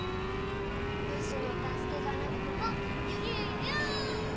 レスのたすけがなくてもよゆうよゆう！